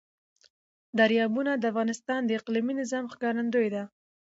دریابونه د افغانستان د اقلیمي نظام ښکارندوی ده.